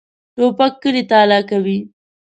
توپک کلی تالا کوي.